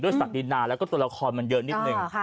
ศักดินาแล้วก็ตัวละครมันเยอะนิดนึง